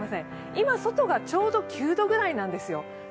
今、外がちょうど９度ぐらいなんですよ。